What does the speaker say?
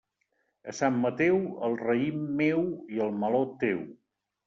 A Sant Mateu, el raïm meu i el meló teu.